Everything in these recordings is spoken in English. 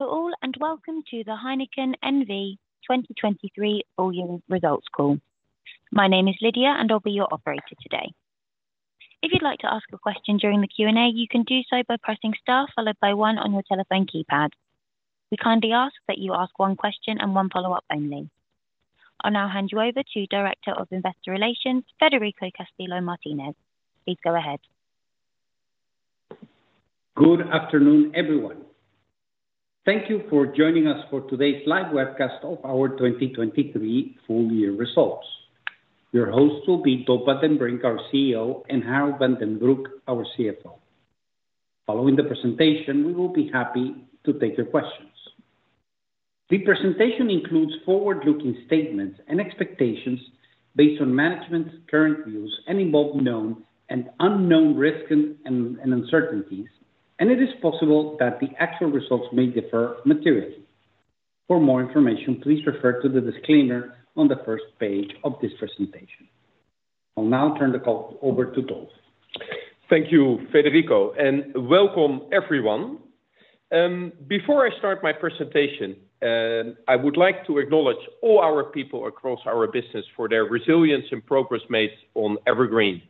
Good morning and welcome to the Heineken N.V. 2023 Full Year Results Call. My name is Lydia and I'll be your operator today. If you'd like to ask a question during the Q&A, you can do so by pressing star followed by one on your telephone keypad. We kindly ask that you ask one question and one follow-up only. I'll now hand you over to Director of Investor Relations, Federico Castillo Martinez. Please go ahead. Good afternoon everyone. Thank you for joining us for today's live webcast of our 2023 full year results. Your hosts will be Dolf van den Brink, our CEO, and Harold van den Broek, our CFO. Following the presentation, we will be happy to take your questions. The presentation includes forward-looking statements and expectations based on management's current views and involves known and unknown risks and uncertainties, and it is possible that the actual results may differ materially. For more information, please refer to the disclaimer on the first page of this presentation. I'll now turn the call over to Dolf. Thank you, Federico, and welcome everyone. Before I start my presentation, I would like to acknowledge all our people across our business for their resilience and progress made on EverGreen.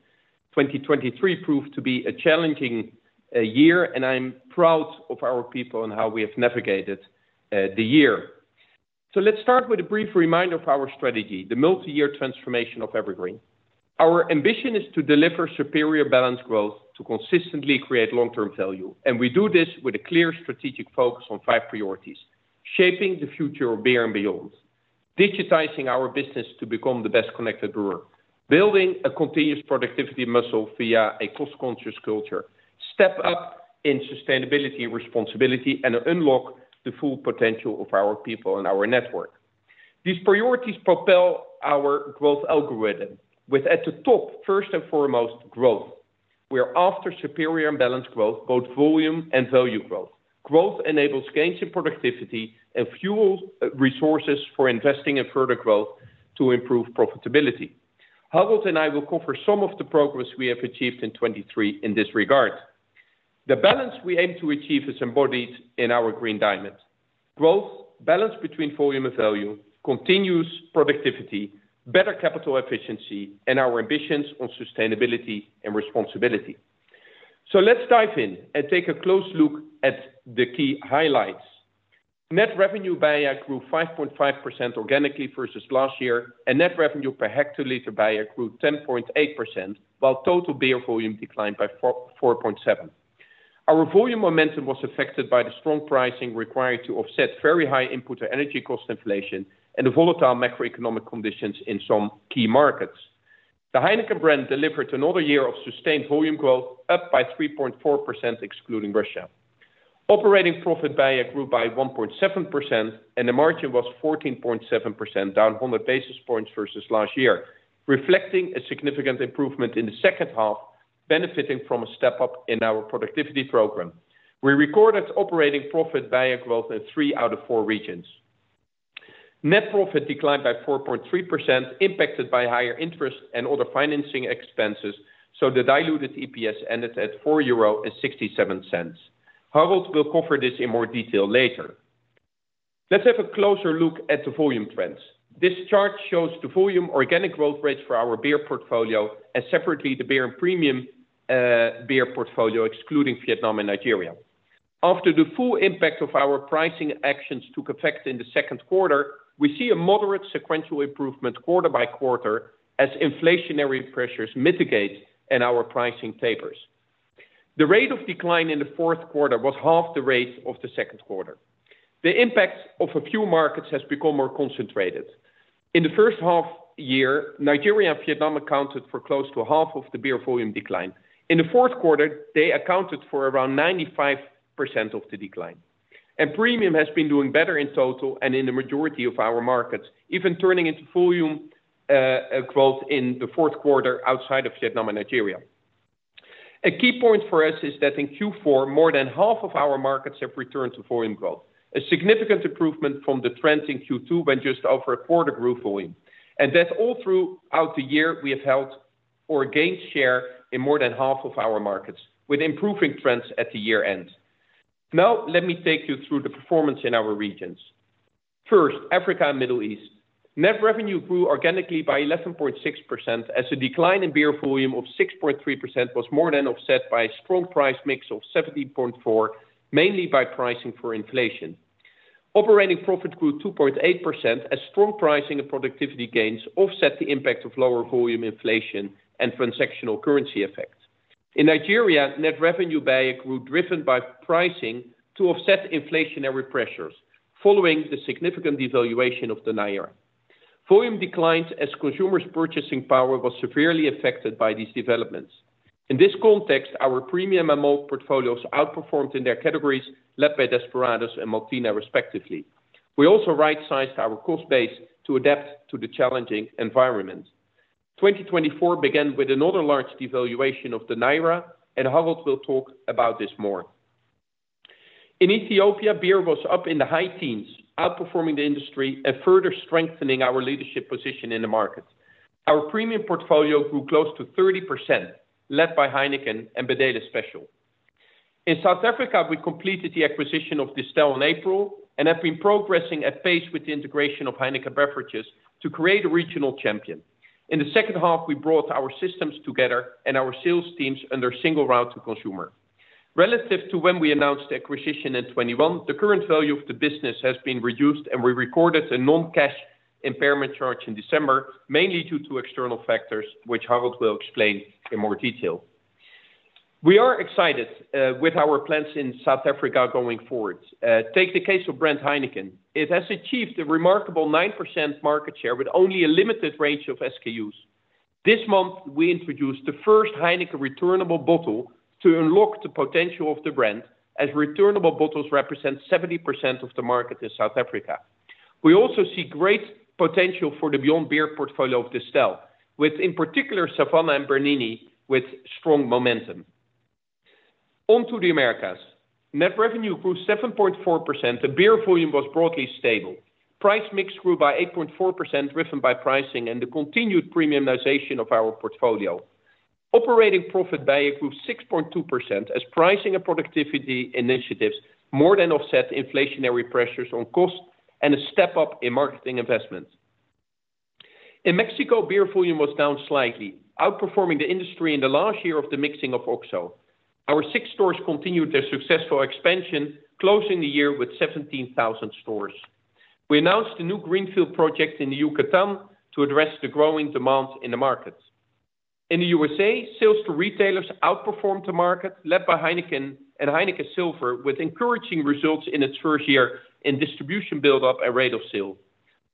2023 proved to be a challenging year, and I'm proud of our people and how we have navigated the year. So let's start with a brief reminder of our strategy, the multi-year transformation of EverGreen. Our ambition is to deliver superior balanced growth to consistently create long-term value, and we do this with a clear strategic focus on five priorities: shaping the future of beer and beyond, digitizing our business to become the best connected brewer, building a continuous productivity muscle via a cost-conscious culture, step up in sustainability responsibility, and unlock the full potential of our people and our network. These priorities propel our growth algorithm, with at the top, first and foremost, growth. We are after superior and balanced growth, both volume and value growth. Growth enables gains in productivity and fuels resources for investing in further growth to improve profitability. Harold and I will cover some of the progress we have achieved in 2023 in this regard. The balance we aim to achieve is embodied in our Green Diamond: growth, balance between volume and value, continuous productivity, better capital efficiency, and our ambitions on sustainability and responsibility. So let's dive in and take a close look at the key highlights. Net BEIA grew 5.5% organically versus last year, and net revenue per BEIA grew 10.8%, while total beer volume declined by 4.7%. Our volume momentum was affected by the strong pricing required to offset very high input energy cost inflation and the volatile macroeconomic conditions in some key markets. The Heineken brand delivered another year of sustained volume growth, up by 3.4% excluding Russia. Operating BEIA grew by 1.7%, and the margin was 14.7%, down 100 basis points versus last year, reflecting a significant improvement in the second half, benefiting from a step up in our productivity program. We recorded operating BEIA growth in three out of four regions. Net profit declined by 4.3%, impacted by higher interest and other financing expenses, so the diluted EPS ended at 4.67 euro. Harold will cover this in more detail later. Let's have a closer look at the volume trends. This chart shows the volume organic growth rates for our beer portfolio and separately the beer and premium beer portfolio excluding Vietnam and Nigeria. After the full impact of our pricing actions took effect in the second quarter, we see a moderate sequential improvement quarter-by-quarter as inflationary pressures mitigate and our pricing tapers. The rate of decline in the fourth quarter was half the rate of the second quarter. The impact of a few markets has become more concentrated. In the first half year, Nigeria and Vietnam accounted for close to half of the beer volume decline. In the fourth quarter, they accounted for around 95% of the decline. And premium has been doing better in total and in the majority of our markets, even turning into volume growth in the fourth quarter outside of Vietnam and Nigeria. A key point for us is that in Q4, more than half of our markets have returned to volume growth, a significant improvement from the trend in Q2 when just over a quarter grew volume. And that all throughout the year, we have held or gained share in more than half of our markets, with improving trends at the year-end. Now let me take you through the performance in our regions. First, Africa and Middle East. Net revenue grew organically by 11.6% as a decline in beer volume of 6.3% was more than offset by a strong price mix of 17.4%, mainly by pricing for inflation. Operating profit grew 2.8% as strong pricing and productivity gains offset the impact of lower volume inflation and transactional currency effect. In Nigeria, net revenue BEIA grew driven by pricing to offset inflationary pressures following the significant devaluation of the Naira. Volume declined as consumers' purchasing power was severely affected by these developments. In this context, our premium and malt portfolios outperformed in their categories, led by Desperados and Maltina, respectively. We also right-sized our cost base to adapt to the challenging environment. 2024 began with another large devaluation of the Naira, and Harold will talk about this more. In Ethiopia, beer was up in the high teens, outperforming the industry and further strengthening our leadership position in the market. Our premium portfolio grew close to 30%, led by Heineken and Bedele Special. In South Africa, we completed the acquisition of Distell in April and have been progressing at pace with the integration of Heineken Beverages to create a regional champion. In the second half, we brought our systems together and our sales teams under single Route to Consumer. Relative to when we announced the acquisition in 2021, the current value of the business has been reduced, and we recorded a non-cash impairment charge in December, mainly due to external factors, which Harold will explain in more detail. We are excited with our plans in South Africa going forward. Take the case of brand Heineken. It has achieved a remarkable 9% market share with only a limited range of SKUs. This month, we introduced the first Heineken returnable bottle to unlock the potential of the brand, as returnable bottles represent 70% of the market in South Africa. We also see great potential for the Beyond Beer portfolio of Distell, with, in particular, Savanna and Bernini with strong momentum. Onto the Americas. Net revenue grew 7.4%. The beer volume was broadly stable. Price mix grew by 8.4%, driven by pricing and the continued premiumization of our portfolio. Operating profit beer grew 6.2% as pricing and productivity initiatives more than offset inflationary pressures on cost and a step up in marketing investments. In Mexico, beer volume was down slightly, outperforming the industry in the last year of the mixing of OXXO. Our Six stores continued their successful expansion, closing the year with 17,000 stores. We announced a new greenfield project in Yucatan to address the growing demand in the markets. In the USA, sales to retailers outperformed the market, led by Heineken and Heineken Silver, with encouraging results in its first year in distribution buildup and rate of sale.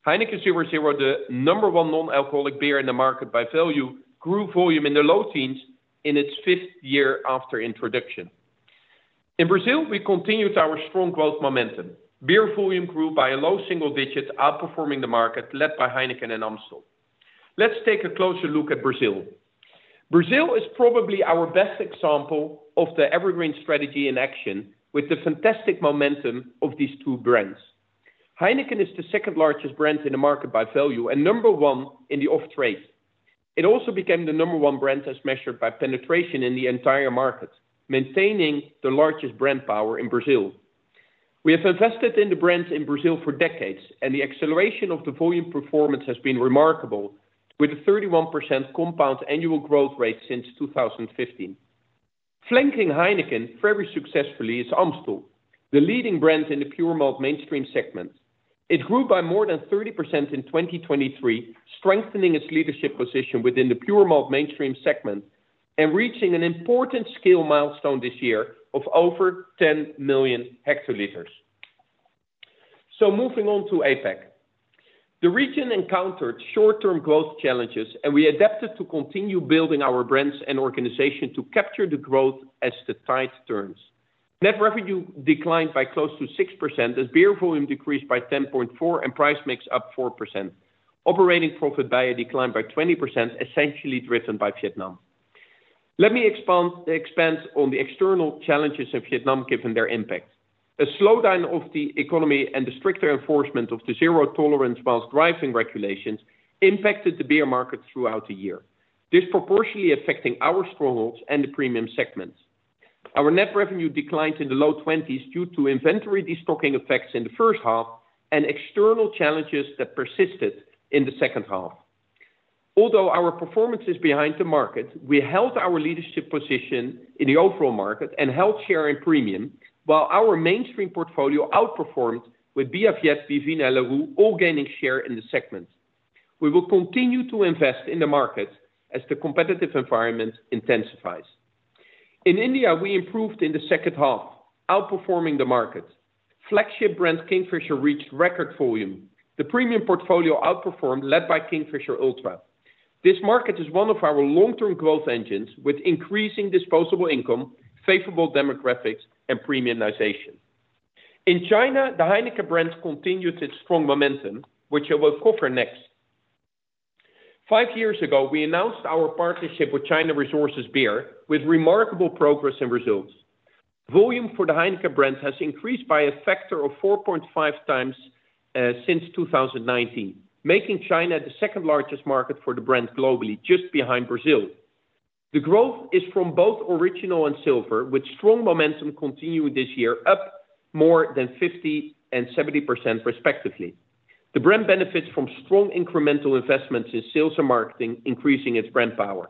Heineken 0.0, the number one non-alcoholic beer in the market by value, grew volume in the low teens in its fifth year after introduction. In Brazil, we continued our strong growth momentum. Beer volume grew by a low single digit, outperforming the market, led by Heineken and Amstel. Let's take a closer look at Brazil. Brazil is probably our best example of the EverGreen strategy in action, with the fantastic momentum of these two brands. Heineken is the second largest brand in the market by value and number one in the off-trade. It also became the number one brand as measured by penetration in the entire market, maintaining the largest brand power in Brazil. We have invested in the brand in Brazil for decades, and the acceleration of the volume performance has been remarkable, with a 31% compound annual growth rate since 2015. Flanking Heineken very successfully is Amstel, the leading brand in the pure malt mainstream segment. It grew by more than 30% in 2023, strengthening its leadership position within the pure malt mainstream segment and reaching an important scale milestone this year of over 10 million hectoliters. Moving on to APEC. The region encountered short-term growth challenges, and we adapted to continue building our brands and organization to capture the growth as the tide turns. Net revenue declined by close to 6% as beer volume decreased by 10.4% and price mix up 4%. Operating profit declined by 20%, essentially driven by Vietnam. Let me expand on the external challenges in Vietnam given their impact. A slowdown of the economy and the stricter enforcement of the zero-tolerance while driving regulations impacted the beer market throughout the year, disproportionately affecting our strongholds and the premium segments. Our net revenue declined in the low 20s% due to inventory destocking effects in the first half and external challenges that persisted in the second half. Although our performance is behind the market, we held our leadership position in the overall market and held share in premium, while our mainstream portfolio outperformed with Bivina, Bia Viet, and Larue all gaining share in the segment. We will continue to invest in the markets as the competitive environment intensifies. In India, we improved in the second half, outperforming the markets. Flagship brand Kingfisher reached record volume. The premium portfolio outperformed, led by Kingfisher Ultra. This market is one of our long-term growth engines, with increasing disposable income, favorable demographics, and premiumization. In China, the Heineken brand continued its strong momentum, which I will cover next. Five years ago, we announced our partnership with China Resources Beer, with remarkable progress and results. Volume for the Heineken brand has increased by a factor of 4.5x since 2019, making China the second largest market for the brand globally, just behind Brazil. The growth is from both Original and Silver, with strong momentum continuing this year, up more than 50% and 70%, respectively. The brand benefits from strong incremental investments in sales and marketing, increasing its brand power.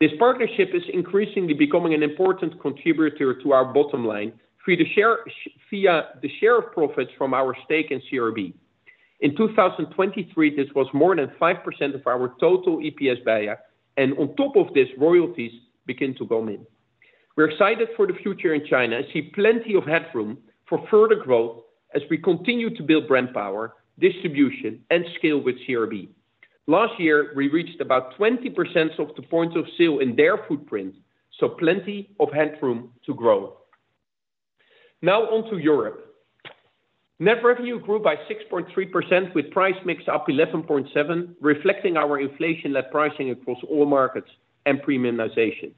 This partnership is increasingly becoming an important contributor to our bottom line via the share of profits from our stake in CRB. In 2023, this was more than 5% of our total BEIA, and on top of this, royalties begin to go in. We're excited for the future in China and see plenty of headroom for further growth as we continue to build brand power, distribution, and scale with CRB. Last year, we reached about 20% of the point of sale in their footprint, so plenty of headroom to grow. Now onto Europe. Net revenue grew by 6.3% with price mix up 11.7%, reflecting our inflation-led pricing across all markets and premiumization.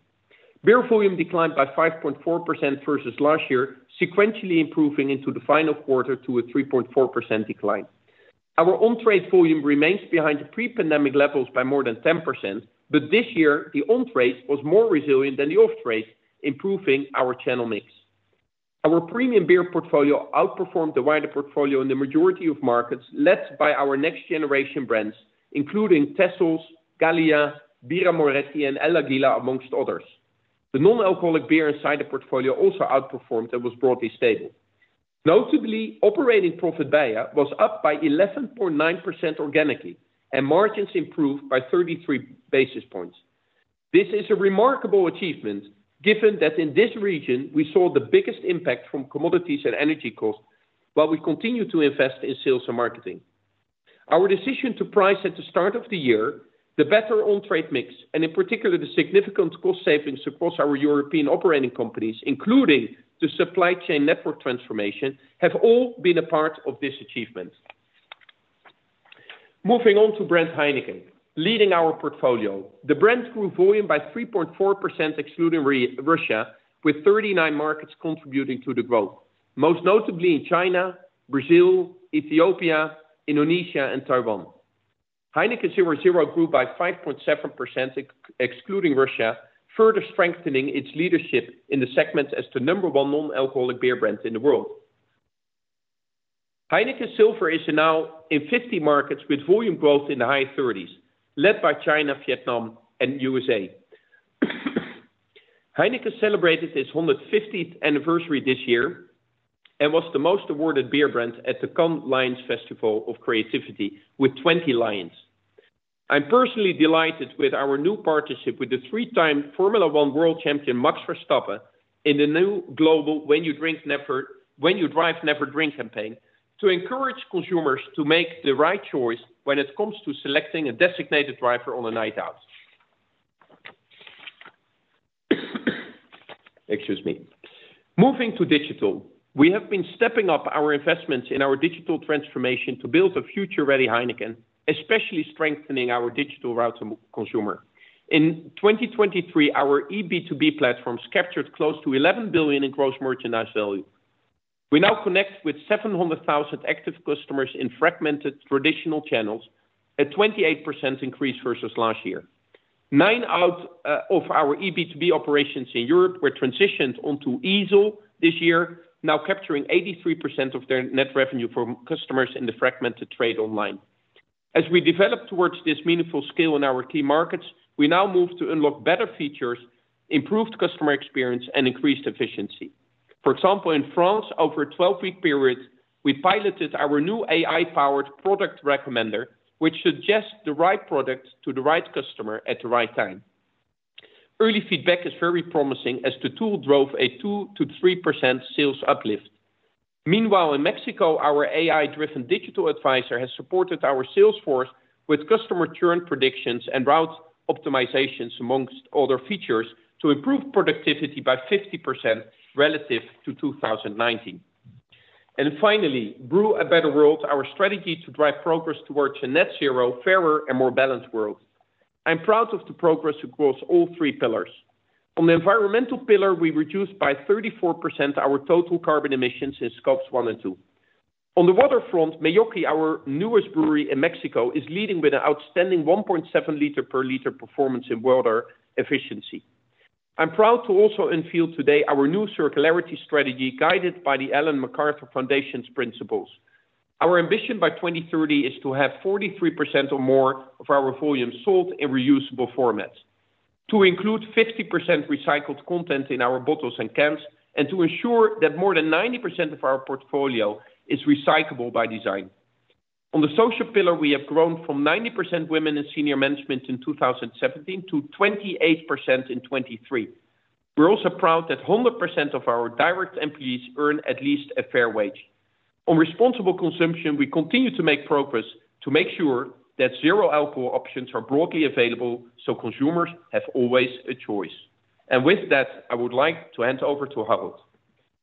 Beer volume declined by 5.4% versus last year, sequentially improving into the final quarter to a 3.4% decline. Our on-trade volume remains behind the pre-pandemic levels by more than 10%, but this year, the on-trade was more resilient than the off-trade, improving our channel mix. Our premium beer portfolio outperformed the wider portfolio in the majority of markets, led by our next-generation brands, including Texels, Gallia, Birra Moretti, and El Águila, amongst others. The non-alcoholic beer inside the portfolio also outperformed and was broadly stable. Notably, operating profit BEIA was up by 11.9% organically, and margins improved by 33 basis points. This is a remarkable achievement given that in this region, we saw the biggest impact from commodities and energy costs while we continue to invest in sales and marketing. Our decision to price at the start of the year, the better on-trade mix, and in particular, the significant cost savings across our European operating companies, including the supply chain network transformation, have all been a part of this achievement. Moving on to brand Heineken, leading our portfolio. The brand grew volume by 3.4% excluding Russia, with 39 markets contributing to the growth, most notably in China, Brazil, Ethiopia, Indonesia, and Taiwan. Heineken 0.0 grew by 5.7% excluding Russia, further strengthening its leadership in the segment as the number one non-alcoholic beer brand in the world. Heineken Silver is now in 50 markets with volume growth in the high 30s, led by China, Vietnam, and USA. Heineken celebrated its 150th anniversary this year and was the most awarded beer brand at the Cannes Lions Festival of Creativity with 20 lions. I'm personally delighted with our new partnership with the three-time Formula One world champion Max Verstappen in the new global "When You Drive Never Drink" campaign to encourage consumers to make the right choice when it comes to selecting a designated driver on a night out. Excuse me. Moving to digital. We have been stepping up our investments in our digital transformation to build a future-ready Heineken, especially strengthening our digital route to consumer. In 2023, our eB2B platforms captured close to 11 billion in gross merchandise value. We now connect with 700,000 active customers in fragmented traditional channels, a 28% increase versus last year. Nine out of our eB2B operations in Europe were transitioned onto eazle this year, now capturing 83% of their net revenue from customers in the fragmented trade online. As we develop towards this meaningful scale in our key markets, we now move to unlock better features, improved customer experience, and increased efficiency. For example, in France, over a 12-week period, we piloted our new AI-powered product recommender, which suggests the right product to the right customer at the right time. Early feedback is very promising as the tool drove a 2%-3% sales uplift. Meanwhile, in Mexico, our AI-driven digital advisor has supported our sales force with customer churn predictions and route optimizations, among other features, to improve productivity by 50% relative to 2019. And finally, "Brew a Better World," our strategy to drive progress towards a net zero, fairer, and more balanced world. I'm proud of the progress across all three pillars. On the Environmental pillar, we reduced by 34% our total carbon emissions in Scope 1 and Scope 2. On the waterfront, Meoqui, our newest brewery in Mexico, is leading with an outstanding 1.7 liter per liter performance in water efficiency. I'm proud to also unveil today our new circularity strategy guided by the Ellen MacArthur Foundation's principles. Our ambition by 2030 is to have 43% or more of our volume sold in reusable formats, to include 50% recycled content in our bottles and cans, and to ensure that more than 90% of our portfolio is recyclable by design. On the Social pillar, we have grown from 90% women in senior management in 2017 to 28% in 2023. We're also proud that 100% of our direct employees earn at least a fair wage. On responsible consumption, we continue to make progress to make sure that zero alcohol options are broadly available so consumers have always a choice. And with that, I would like to hand over to Harold.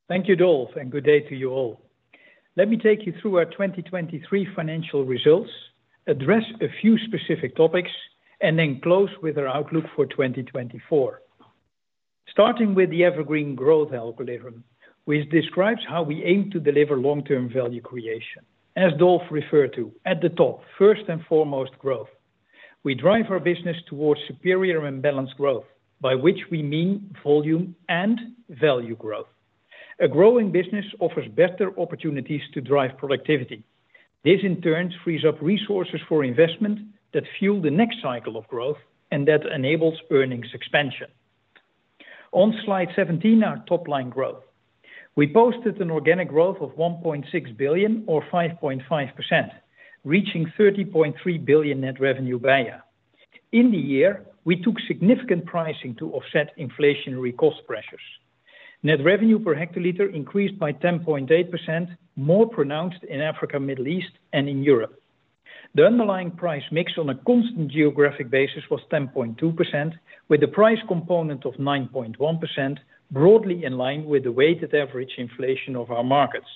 Thank you, Dolf, and good day to you all. Let me take you through our 2023 financial results, address a few specific topics, and then close with our outlook for 2024. Starting with the EverGreen growth algorithm, which describes how we aim to deliver long-term value creation, as Dolf referred to, at the top, first and foremost, growth. We drive our business towards superior and balanced growth, by which we mean volume and value growth. A growing business offers better opportunities to drive productivity. This, in turn, frees up resources for investment that fuel the next cycle of growth and that enables earnings expansion. On Slide 17, our top-line growth. We posted an organic growth of 1.6 billion, or 5.5%, reaching 30.3 billion net revenue BEIA. In the year, we took significant pricing to offset inflationary cost pressures. Net revenue per hectoliter increased by 10.8%, more pronounced in Africa, Middle East, and in Europe. The underlying price mix on a constant geographic basis was 10.2%, with the price component of 9.1%, broadly in line with the weighted average inflation of our markets.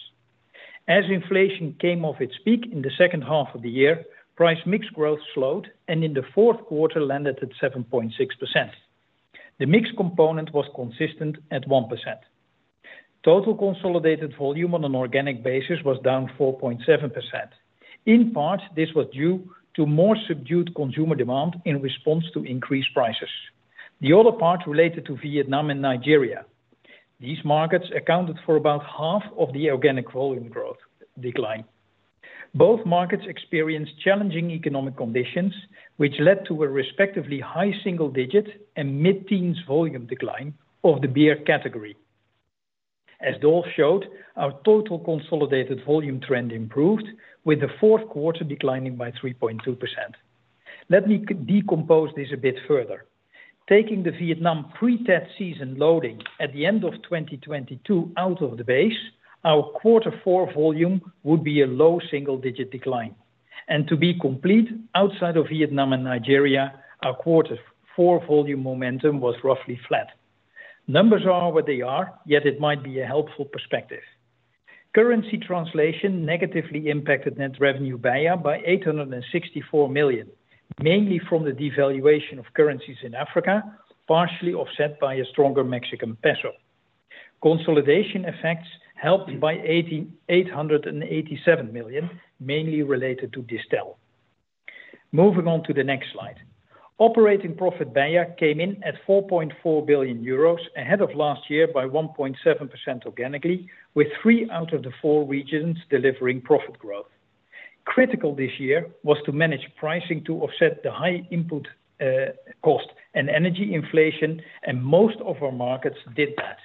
As inflation came off its peak in the second half of the year, price mix growth slowed and in the fourth quarter landed at 7.6%. The mix component was consistent at 1%. Total consolidated volume on an organic basis was down 4.7%. In part, this was due to more subdued consumer demand in response to increased prices. The other part related to Vietnam and Nigeria. These markets accounted for about half of the organic volume growth decline. Both markets experienced challenging economic conditions, which led to a respectively high single-digit and mid-teens volume decline of the beer category. As Dolf showed, our total consolidated volume trend improved, with the fourth quarter declining by 3.2%. Let me decompose this a bit further. Taking the Vietnam pre-Tet season loading at the end of 2022 out of the base, our quarter four volume would be a low single-digit decline. And to be complete, outside of Vietnam and Nigeria, our quarter four volume momentum was roughly flat. Numbers are what they are, yet it might be a helpful perspective. Currency translation negatively impacted net BEIA by 864 million, mainly from the devaluation of currencies in Africa, partially offset by a stronger Mexican peso. Consolidation effects helped by 887 million, mainly related to Distell. Moving on to the next slide. Operating BEIA came in at 4.4 billion euros ahead of last year by 1.7% organically, with three out of the four regions delivering profit growth. Critical this year was to manage pricing to offset the high input cost and energy inflation, and most of our markets did that.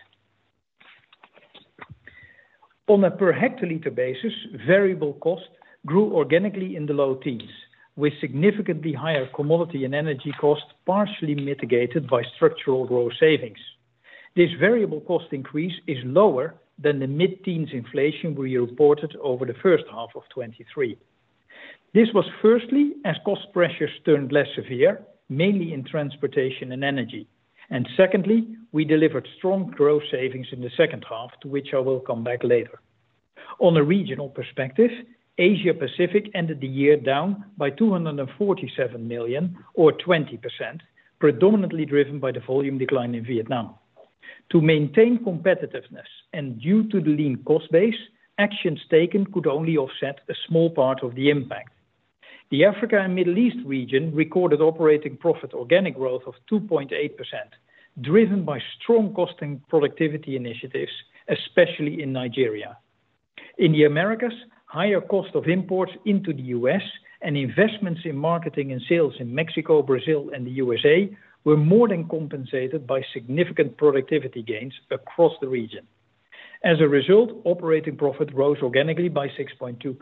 On a per hectoliter basis, variable cost grew organically in the low teens, with significantly higher commodity and energy costs partially mitigated by structural gross savings. This variable cost increase is lower than the mid-teens inflation we reported over the first half of 2023. This was firstly as cost pressures turned less severe, mainly in transportation and energy, and secondly, we delivered strong gross savings in the second half, to which I will come back later. On a regional perspective, Asia-Pacific ended the year down by 247 million, or 20%, predominantly driven by the volume decline in Vietnam. To maintain competitiveness and due to the lean cost base, actions taken could only offset a small part of the impact. The Africa and Middle East region recorded operating profit organic growth of 2.8%, driven by strong cost and productivity initiatives, especially in Nigeria. In the Americas, higher cost of imports into the U.S. and investments in marketing and sales in Mexico, Brazil, and the USA were more than compensated by significant productivity gains across the region. As a result, operating profit rose organically by 6.2%.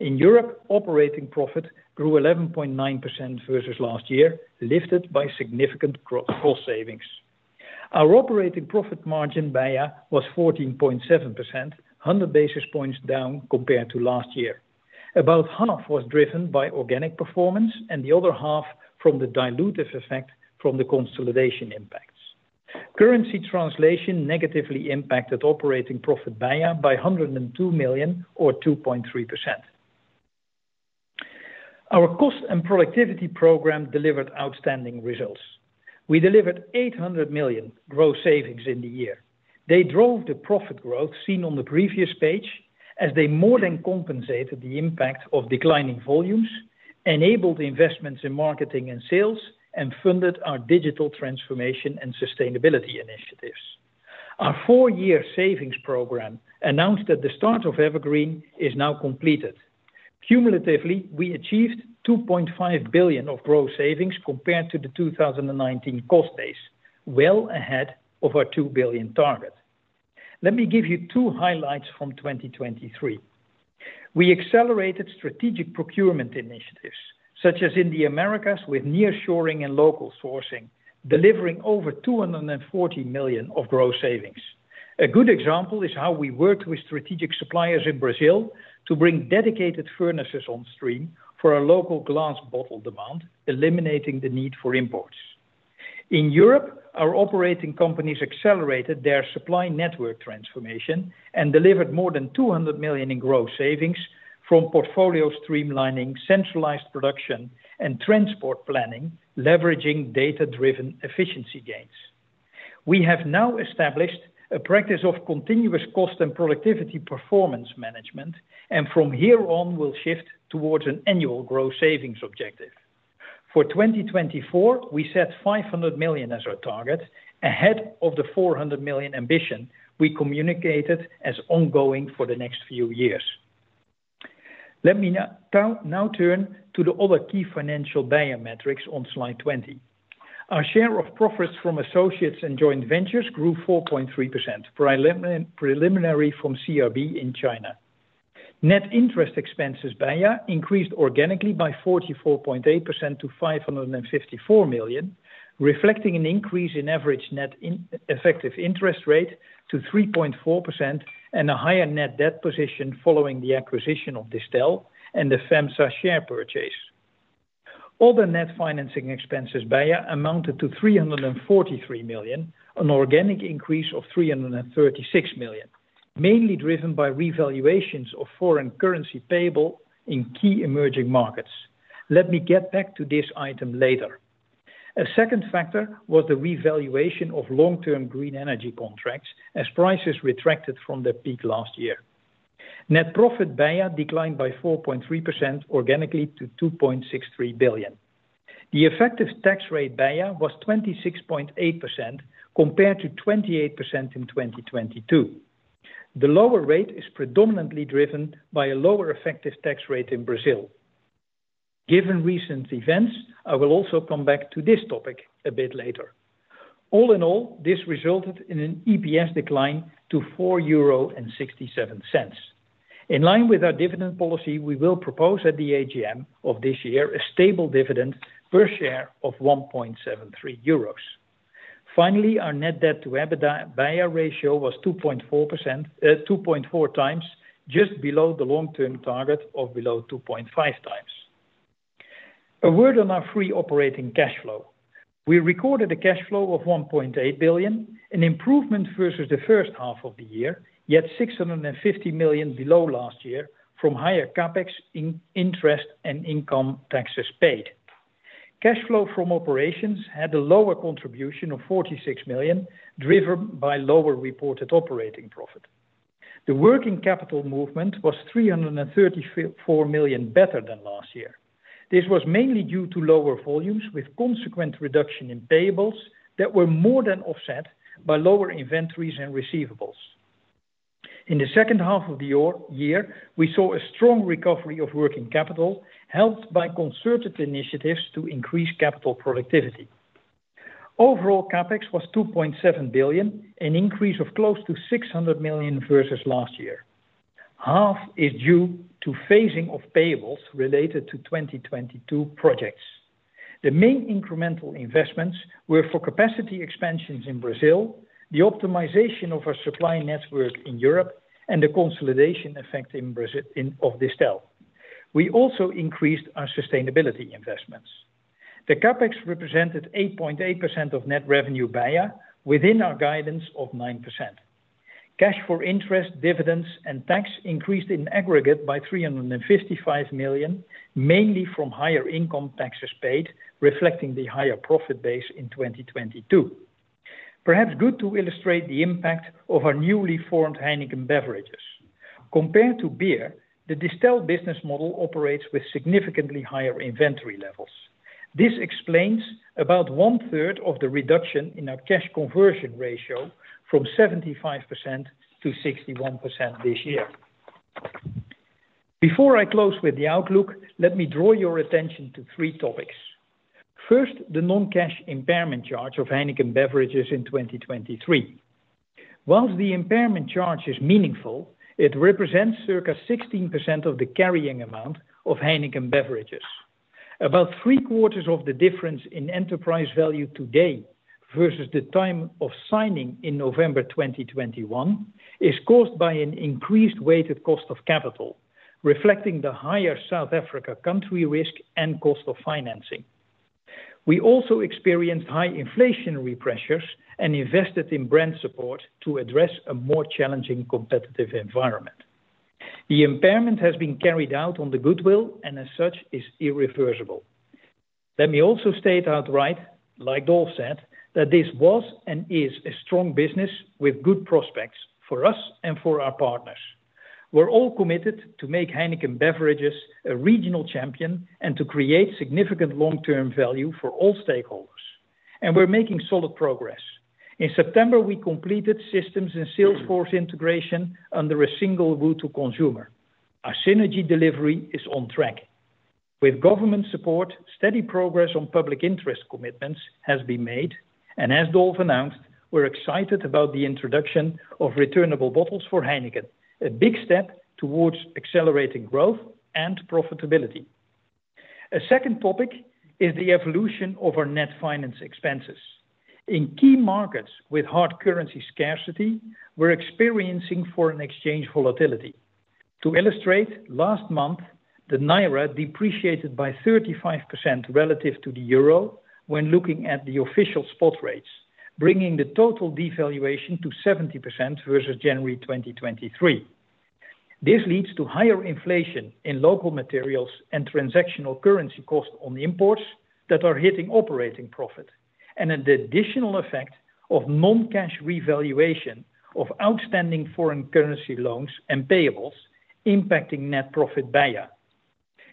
In Europe, operating profit grew 11.9% versus last year, lifted by significant cost savings. Our operating profit margin BEIA was 14.7%, 100 basis points down compared to last year. About half was driven by organic performance and the other half from the dilutive effect from the consolidation impacts. Currency translation negatively impacted operating profit BEIA by 102 million, or 2.3%. Our cost and productivity program delivered outstanding results. We delivered 800 million gross savings in the year. They drove the profit growth seen on the previous page as they more than compensated the impact of declining volumes, enabled investments in marketing and sales, and funded our digital transformation and sustainability initiatives. Our four-year savings program announced at the start of EverGreen is now completed. Cumulatively, we achieved 2.5 billion of gross savings compared to the 2019 cost base, well ahead of our 2 billion target. Let me give you two highlights from 2023. We accelerated strategic procurement initiatives, such as in the Americas with nearshoring and local sourcing, delivering over 240 million of gross savings. A good example is how we worked with strategic suppliers in Brazil to bring dedicated furnaces on stream for our local glass bottle demand, eliminating the need for imports. In Europe, our operating companies accelerated their supply network transformation and delivered more than 200 million in gross savings from portfolio streamlining, centralized production, and transport planning, leveraging data-driven efficiency gains. We have now established a practice of continuous cost and productivity performance management, and from here on, we'll shift towards an annual gross savings objective. For 2024, we set 500 million as our target, ahead of the 400 million ambition we communicated as ongoing for the next few years. Let me now turn to the other key financial metrics on Slide 20. Our share of profits from associates and joint ventures grew 4.3%, primarily from CRB in China. Net interest expenses BEIA increased organically by 44.8% to 554 million, reflecting an increase in average net effective interest rate to 3.4% and a higher net debt position following the acquisition of Distell and the FEMSA share purchase. Other net financing BEIA amounted to 343 million, an organic increase of 336 million, mainly driven by revaluations of foreign currency payables in key emerging markets. Let me get back to this item later. A second factor was the revaluation of long-term green energy contracts as prices retracted from their peak last year. Net BEIA declined by 4.3% organically to 2.63 billion. The effective tax BEIA was 26.8% compared to 28% in 2022. The lower rate is predominantly driven by a lower effective tax rate in Brazil. Given recent events, I will also come back to this topic a bit later. All in all, this resulted in eps BEIA decline to 4.67 euro. In line with our dividend policy, we will propose at the AGM of this year a stable dividend per share of 1.73 euros. Finally, our net debt to EBITDA year-end ratio was 2.4x, just below the long-term target of below 2.5x. A word on our free operating cash flow. We recorded a cash flow of 1.8 billion, an improvement versus the first half of the year, yet 650 million below last year from higher CapEx, interest, and income taxes paid. Cash flow from operations had a lower contribution of 46 million, driven by lower reported operating profit. The working capital movement was 334 million better than last year. This was mainly due to lower volumes with consequent reduction in payables that were more than offset by lower inventories and receivables. In the second half of the year, we saw a strong recovery of working capital, helped by concerted initiatives to increase capital productivity. Overall CapEx was 2.7 billion, an increase of close to 600 million versus last year. Half is due to phasing of payables related to 2022 projects. The main incremental investments were for capacity expansions in Brazil, the optimization of our supply network in Europe, and the consolidation effect of Distell. We also increased our sustainability investments. The CapEx represented 8.8% of net revenue BEIA, within our guidance of 9%. Cash for interest, dividends, and tax increased in aggregate by 355 million, mainly from higher income taxes paid, reflecting the higher profit base in 2022. Perhaps good to illustrate the impact of our newly formed Heineken Beverages. Compared to beer, the Distell business model operates with significantly higher inventory levels. This explains about one-third of the reduction in our cash conversion ratio from 75%-61% this year. Before I close with the outlook, let me draw your attention to three topics. First, the non-cash impairment charge of Heineken Beverages in 2023. While the impairment charge is meaningful, it represents circa 16% of the carrying amount of Heineken Beverages. About three-quarters of the difference in enterprise value today versus the time of signing in November 2021 is caused by an increased weighted cost of capital, reflecting the higher South Africa country risk and cost of financing. We also experienced high inflationary pressures and invested in brand support to address a more challenging competitive environment. The impairment has been carried out on the goodwill and, as such, is irreversible. Let me also state outright, like Dolf said, that this was and is a strong business with good prospects for us and for our partners. We're all committed to make Heineken Beverages a regional champion and to create significant long-term value for all stakeholders, and we're making solid progress. In September, we completed systems and sales force integration under a single Route to Consumer. Our synergy delivery is on track. With government support, steady progress on public interest commitments has been made, and as Dolf announced, we're excited about the introduction of returnable bottles for Heineken, a big step towards accelerating growth and profitability. A second topic is the evolution of our net finance expenses. In key markets with hard currency scarcity, we're experiencing foreign exchange volatility. To illustrate, last month, the Naira depreciated by 35% relative to the Euro when looking at the official spot rates, bringing the total devaluation to 70% versus January 2023. This leads to higher inflation in local materials and transactional currency costs on imports that are hitting operating profit, and an additional effect of non-cash revaluation of outstanding foreign currency loans and payables impacting net profit BEIA.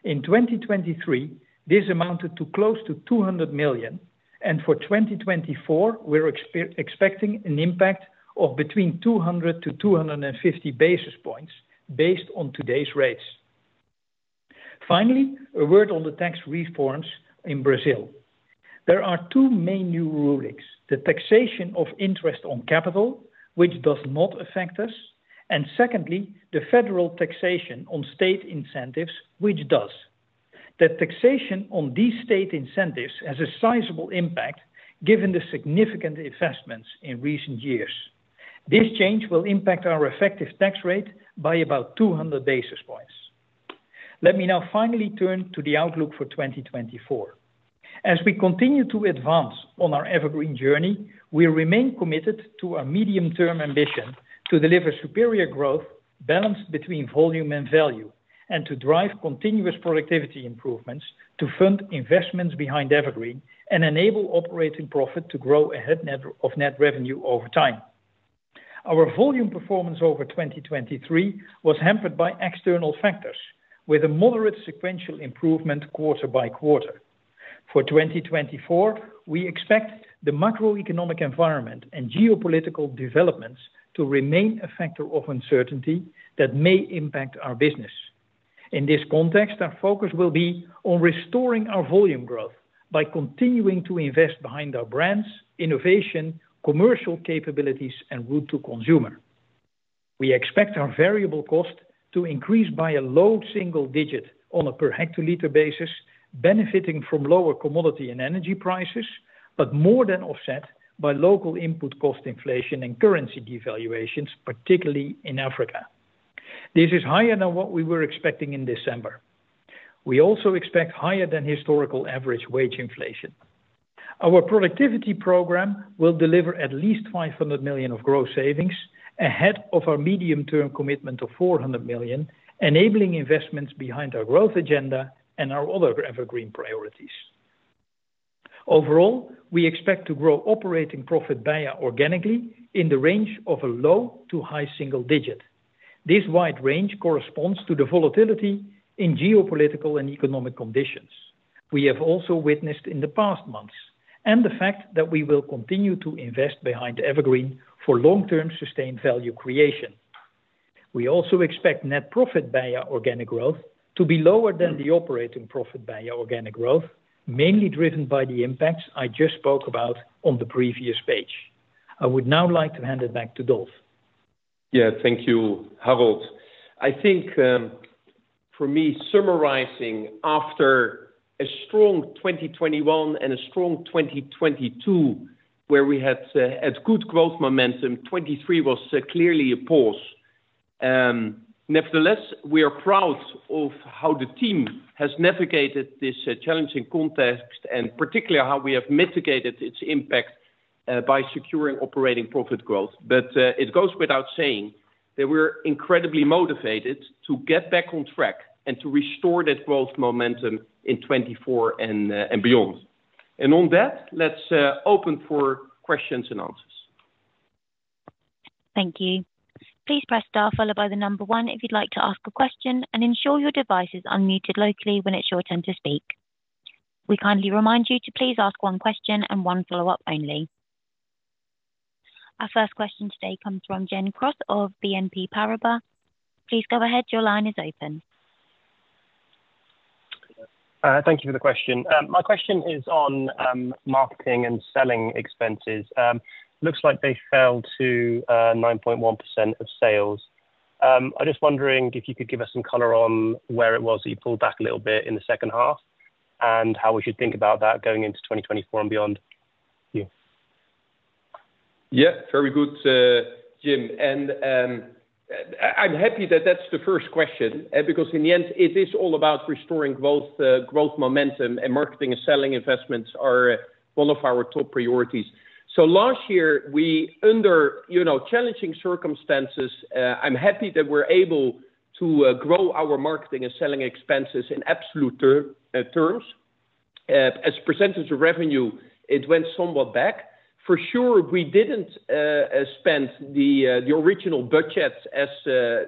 In 2023, this amounted to close to 200 million, and for 2024, we're expecting an impact of between 200-250 basis points based on today's rates. Finally, a word on the tax reforms in Brazil. There are two main new rulings: the taxation of interest on capital, which does not affect us, and secondly, the federal taxation on state incentives, which does. The taxation on these state incentives has a sizable impact given the significant investments in recent years. This change will impact our effective tax rate by about 200 basis points. Let me now finally turn to the outlook for 2024. As we continue to advance on our EverGreen journey, we remain committed to our medium-term ambition to deliver superior growth balanced between volume and value and to drive continuous productivity improvements to fund investments behind EverGreen and enable operating profit to grow ahead of net revenue over time. Our volume performance over 2023 was hampered by external factors, with a moderate sequential improvement quarter-by-quarter. For 2024, we expect the macroeconomic environment and geopolitical developments to remain a factor of uncertainty that may impact our business. In this context, our focus will be on restoring our volume growth by continuing to invest behind our brands, innovation, commercial capabilities, and Route to Consumer. We expect our variable cost to increase by a low single digit on a per hectoliter basis, benefiting from lower commodity and energy prices, but more than offset by local input cost inflation and currency devaluations, particularly in Africa. This is higher than what we were expecting in December. We also expect higher than historical average wage inflation. Our productivity program will deliver at least 500 million of gross savings ahead of our medium-term commitment of 400 million, enabling investments behind our growth agenda and our other EverGreen priorities. Overall, we expect to grow operating profit BEIA organically in the range of a low to high single digit. This wide range corresponds to the volatility in geopolitical and economic conditions we have also witnessed in the past months and the fact that we will continue to invest behind EverGreen for long-term sustained value creation. We also expect net profit year-over-year organic growth to be lower than the operating profit year-over-year organic growth, mainly driven by the impacts I just spoke about on the previous page. I would now like to hand it back to Dolf. Yeah, thank you, Harold. I think, for me, summarizing after a strong 2021 and a strong 2022 where we had good growth momentum, 2023 was clearly a pause. Nevertheless, we are proud of how the team has navigated this challenging context and particularly how we have mitigated its impact by securing operating profit growth. But it goes without saying that we're incredibly motivated to get back on track and to restore that growth momentum in 2024 and beyond. On that, let's open for questions and answers. Thank you. Please press star followed by the number one if you'd like to ask a question and ensure your device is unmuted locally when it's your turn to speak. We kindly remind you to please ask one question and one follow-up only. Our first question today comes from Gen Cross of BNP Paribas. Please go ahead. Your line is open. Thank you for the question. My question is on marketing and selling expenses. Looks like they fell to 9.1% of sales. I'm just wondering if you could give us some color on where it was that you pulled back a little bit in the second half and how we should think about that going into 2024 and beyond. Yeah, very good, Gen. And I'm happy that that's the first question because, in the end, it is all about restoring growth momentum, and marketing and selling investments are one of our top priorities. So last year, under challenging circumstances, I'm happy that we're able to grow our marketing and selling expenses in absolute terms. As percentage of revenue, it went somewhat back. For sure, we didn't spend the original budget as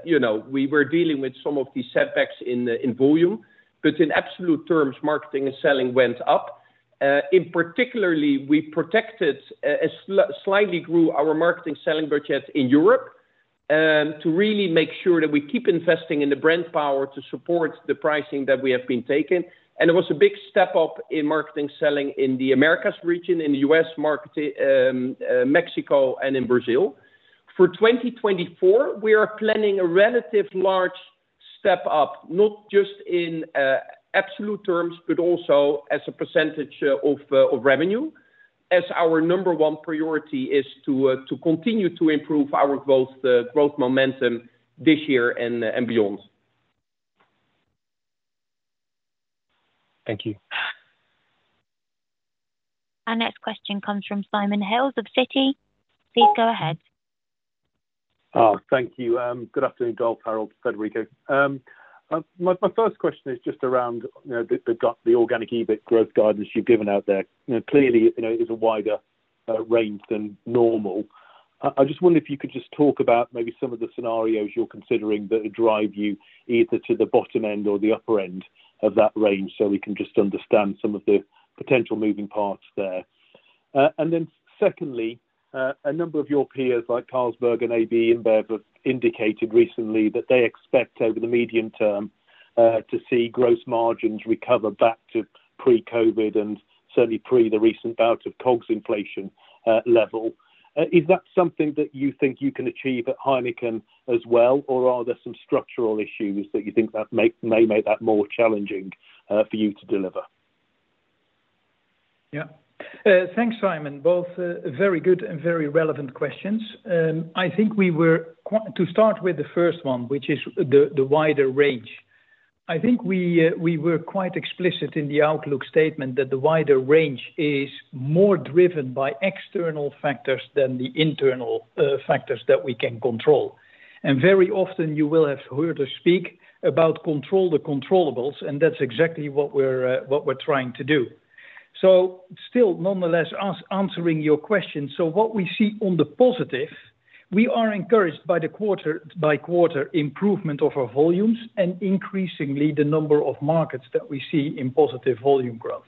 we were dealing with some of the setbacks in volume. But in absolute terms, marketing and selling went up. In particular, we protected and slightly grew our marketing selling budget in Europe to really make sure that we keep investing in the brand power to support the pricing that we have been taking. And it was a big step up in marketing selling in the Americas region, in the US market, Mexico, and in Brazil. For 2024, we are planning a relatively large step up, not just in absolute terms but also as a percentage of revenue, as our number one priority is to continue to improve our growth momentum this year and beyond. Thank you. Our next question comes from Simon Hales of Citi. Please go ahead. Thank you. Good afternoon, Dolf, Harold, Federico. My first question is just around the organic EBIT growth guidance you've given out there. Clearly, it is a wider range than normal. I just wonder if you could just talk about maybe some of the scenarios you're considering that drive you either to the bottom end or the upper end of that range so we can just understand some of the potential moving parts there. And then secondly, a number of your peers like Carlsberg and AB InBev have indicated recently that they expect over the medium term to see gross margins recover back to pre-COVID and certainly pre the recent bout of COGS inflation level. Is that something that you think you can achieve at Heineken as well, or are there some structural issues that you think may make that more challenging for you to deliver? Yeah. Thanks, Simon. Both very good and very relevant questions. I think we were to start with the first one, which is the wider range. I think we were quite explicit in the outlook statement that the wider range is more driven by external factors than the internal factors that we can control. Very often, you will have heard us speak about control the controllables, and that's exactly what we're trying to do. Still, nonetheless, answering your question, what we see on the positive: we are encouraged by the quarter-by-quarter improvement of our volumes and increasingly the number of markets that we see in positive volume growth.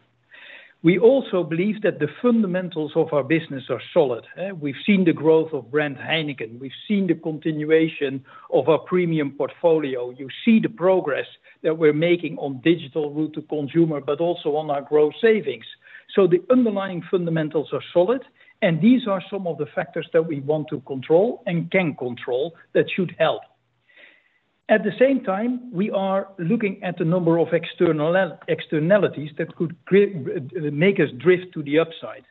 We also believe that the fundamentals of our business are solid. We've seen the growth of brand Heineken. We've seen the continuation of our premium portfolio. You see the progress that we're making on digital route to consumer but also on our gross savings. So the underlying fundamentals are solid, and these are some of the factors that we want to control and can control that should help. At the same time, we are looking at the number of externalities that could make us drift to the upside.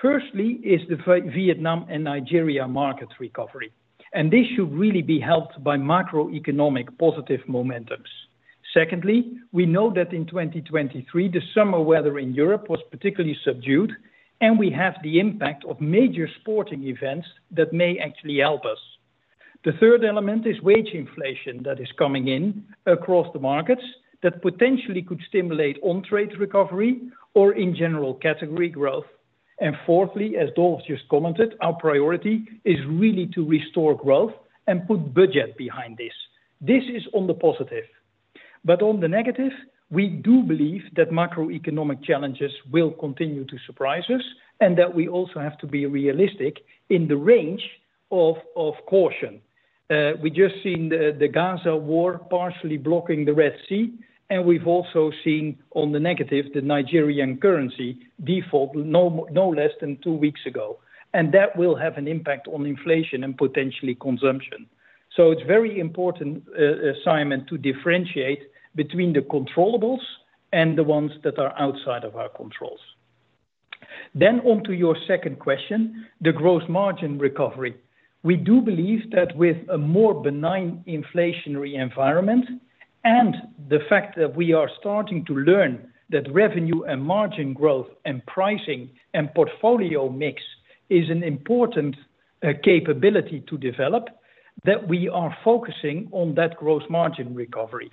Firstly is the Vietnam and Nigeria market recovery, and this should really be helped by macroeconomic positive momentum. Secondly, we know that in 2023, the summer weather in Europe was particularly subdued, and we have the impact of major sporting events that may actually help us. The third element is wage inflation that is coming in across the markets that potentially could stimulate on-trade recovery or in general category growth. And fourthly, as Dolf just commented, our priority is really to restore growth and put budget behind this. This is on the positive. But on the negative, we do believe that macroeconomic challenges will continue to surprise us and that we also have to be realistic in the range of caution. We just seen the Gaza war partially blocking the Red Sea, and we've also seen on the negative the Nigerian currency default no less than two weeks ago. And that will have an impact on inflation and potentially consumption. So it's very important, Simon, to differentiate between the controllables and the ones that are outside of our controls. Then onto your second question, the gross margin recovery. We do believe that with a more benign inflationary environment and the fact that we are starting to learn that revenue and margin growth and pricing and portfolio mix is an important capability to develop, that we are focusing on that gross margin recovery.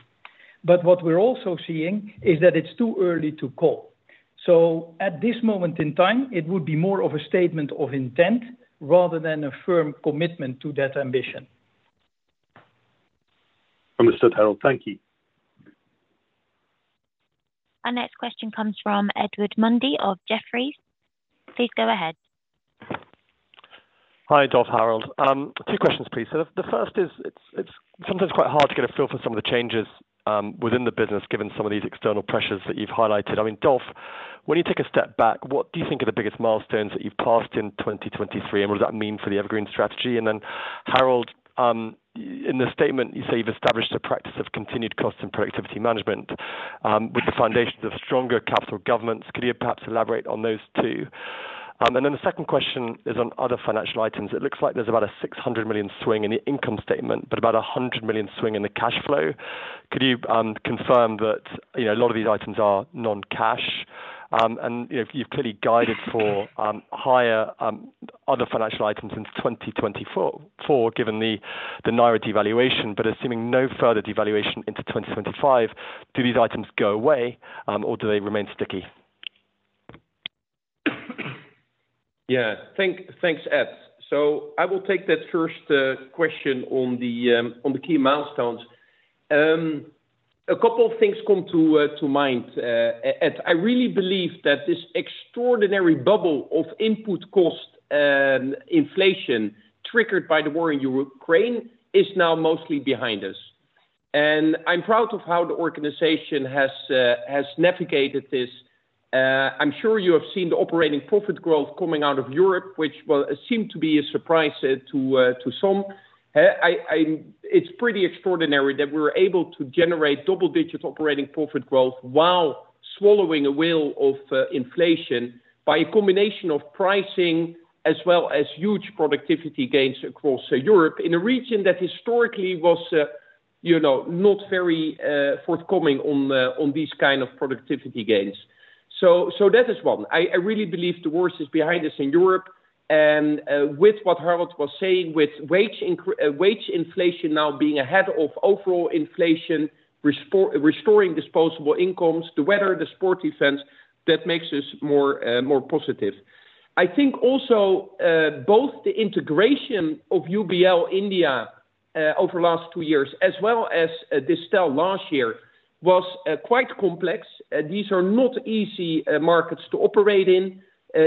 What we're also seeing is that it's too early to call. At this moment in time, it would be more of a statement of intent rather than a firm commitment to that ambition. Understood, Harold. Thank you. Our next question comes from Edward Mundy of Jefferies. Please go ahead. Hi, Dolf, Harold. Two questions, please. So the first is it's sometimes quite hard to get a feel for some of the changes within the business given some of these external pressures that you've highlighted. I mean, Dolf, when you take a step back, what do you think are the biggest milestones that you've passed in 2023, and what does that mean for the EverGreen strategy? And then, Harold, in the statement, you say you've established a practice of continued cost and productivity management with the foundations of stronger capital governance. Could you perhaps elaborate on those two? And then the second question is on other financial items. It looks like there's about a 600 million swing in the income statement but about a 100 million swing in the cash flow. Could you confirm that a lot of these items are non-cash? You've clearly guided for higher other financial items since 2024 given the Naira devaluation but assuming no further devaluation into 2025. Do these items go away, or do they remain sticky? Yeah, thanks, Ed. So I will take that first question on the key milestones. A couple of things come to mind, Ed. I really believe that this extraordinary bubble of input cost inflation triggered by the war in Ukraine is now mostly behind us. And I'm proud of how the organization has navigated this. I'm sure you have seen the operating profit growth coming out of Europe, which seemed to be a surprise to some. It's pretty extraordinary that we were able to generate double-digit operating profit growth while swallowing a whale of inflation by a combination of pricing as well as huge productivity gains across Europe in a region that historically was not very forthcoming on these kind of productivity gains. So that is one. I really believe the worst is behind us in Europe. And with what Harold was saying, with wage inflation now being ahead of overall inflation, restoring disposable incomes, the weather, the sporty events, that makes us more positive. I think also both the integration of UBL India over the last two years as well as Distell last year was quite complex. These are not easy markets to operate in.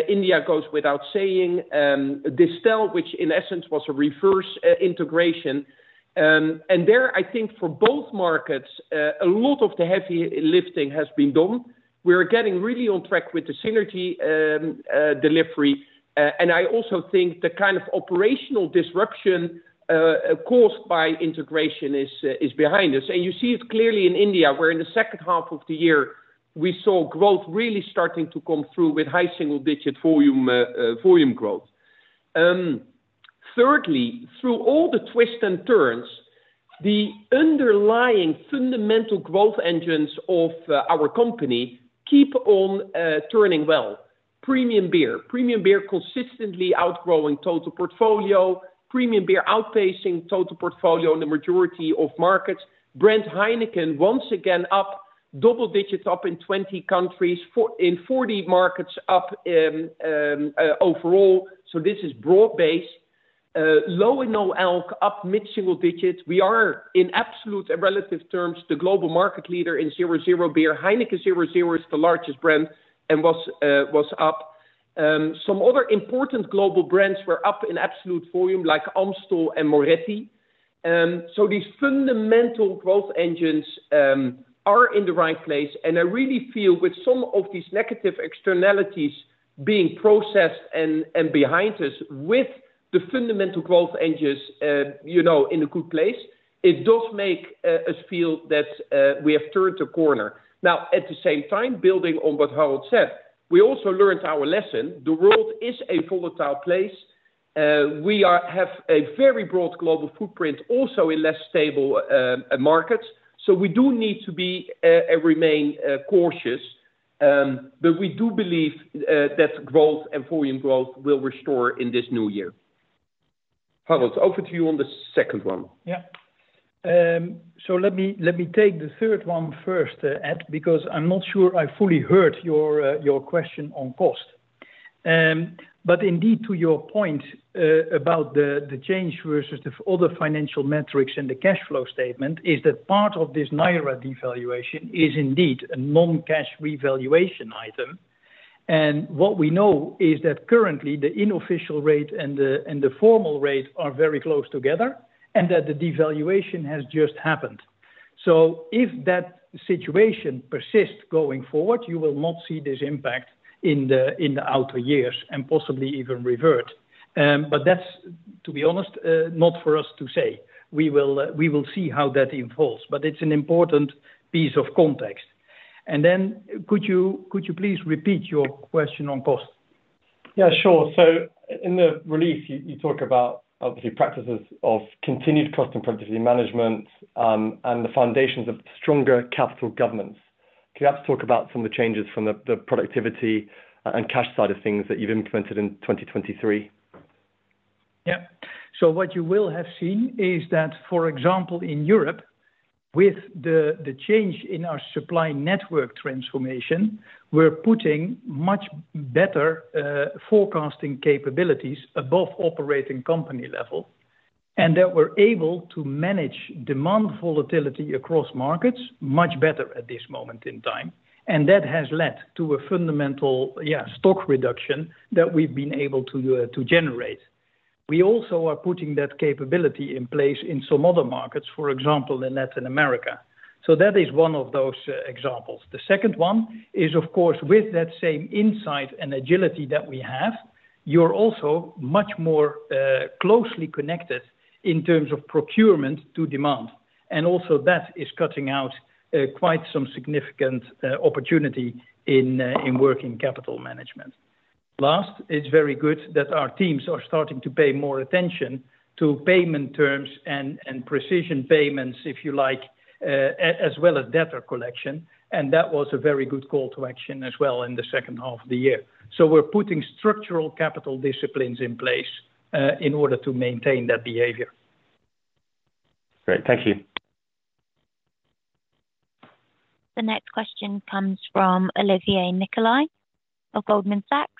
India goes without saying. Distell, which in essence was a reverse integration. And there, I think for both markets, a lot of the heavy lifting has been done. We're getting really on track with the synergy delivery. And I also think the kind of operational disruption caused by integration is behind us. And you see it clearly in India where in the second half of the year, we saw growth really starting to come through with high single-digit volume growth. Thirdly, through all the twists and turns, the underlying fundamental growth engines of our company keep on turning well: Premium Beer, Premium Beer consistently outgrowing total portfolio, Premium Beer outpacing total portfolio in the majority of markets, brand Heineken once again up, double-digit up in 20 countries, in 40 markets up overall. So this is broad-based. Low in no ALC, up mid-single digit. We are in absolute and relative terms the global market leader in 0.0 beer. Heineken 0.0 is the largest brand and was up. Some other important global brands were up in absolute volume like Amstel and Moretti. So these fundamental growth engines are in the right place. And I really feel with some of these negative externalities being processed and behind us with the fundamental growth engines in a good place, it does make us feel that we have turned the corner. Now, at the same time, building on what Harold said, we also learned our lesson. The world is a volatile place. We have a very broad global footprint also in less stable markets. So we do need to remain cautious. But we do believe that growth and volume growth will restore in this new year. Harold, over to you on the second one. Yeah. So let me take the third one first, Ed, because I'm not sure I fully heard your question on cost. But indeed, to your point about the change versus the other financial metrics and the cash flow statement, is that part of this Naira devaluation is indeed a non-cash revaluation item. And what we know is that currently, the unofficial rate and the formal rate are very close together and that the devaluation has just happened. If that situation persists going forward, you will not see this impact in the outer years and possibly even revert. But that's, to be honest, not for us to say. We will see how that unfolds. But it's an important piece of context. Then could you please repeat your question on cost? Yeah, sure. So in the release, you talk about obviously practice of continued cost and productivity management and the foundations of stronger capital governance. Could you perhaps talk about some of the changes from the productivity and cash side of things that you've implemented in 2023? Yeah. So what you will have seen is that, for example, in Europe, with the change in our supply network transformation, we're putting much better forecasting capabilities above operating company level. And that we're able to manage demand volatility across markets much better at this moment in time. And that has led to a fundamental stock reduction that we've been able to generate. We also are putting that capability in place in some other markets, for example, in Latin America. So that is one of those examples. The second one is, of course, with that same insight and agility that we have, you're also much more closely connected in terms of procurement to demand. And also that is cutting out quite some significant opportunity in working capital management. Last, it's very good that our teams are starting to pay more attention to payment terms and precision payments, if you like, as well as debtor collection. That was a very good call to action as well in the second half of the year. We're putting structural capital disciplines in place in order to maintain that behavior. Great. Thank you. The next question comes from Olivier Nicolai of Goldman Sachs.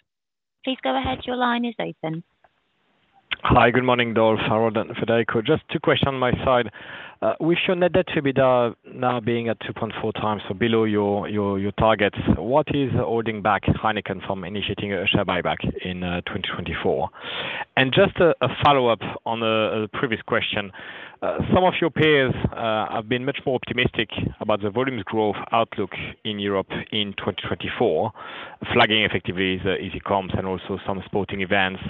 Please go ahead. Your line is open. Hi. Good morning, Dolf. Harold and Federico. Just two questions on my side. With your net debt to EBITDA now being at 2.4x, so below your targets, what is holding back Heineken from initiating a share buyback in 2024? And just a follow-up on the previous question, some of your peers have been much more optimistic about the volumes growth outlook in Europe in 2024, flagging effectively the e-commerce and also some sporting events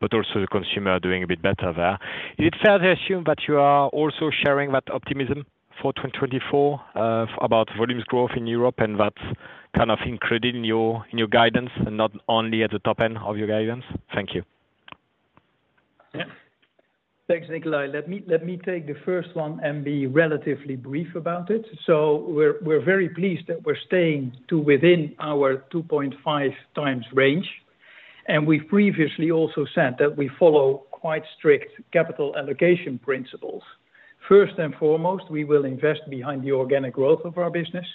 but also the consumer doing a bit better there. Is it fair to assume that you are also sharing that optimism for 2024 about volumes growth in Europe and that's kind of included in your guidance and not only at the top end of your guidance? Thank you. Yeah. Thanks, Nicolai. Let me take the first one and be relatively brief about it. So we're very pleased that we're staying within our 2.5x range. And we've previously also said that we follow quite strict capital allocation principles. First and foremost, we will invest behind the organic growth of our business.